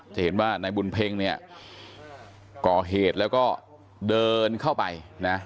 จะเห็นว่านายบุญเพ็งเนี่ยก่อเหตุแล้วก็เดินเข้าไปนะ